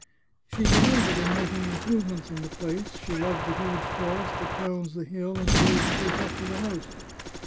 She delighted in making improvements in the place ; she loved the huge forest that crowns the hill and grows close up to the house.